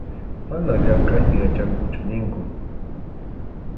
Manam llamkʼayta yachankuchu ninkun.